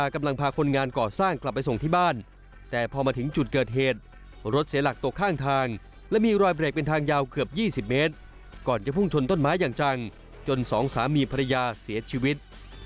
ของภรรยาเสียชีวิต